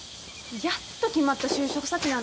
やっと決まった就職先なんだよ？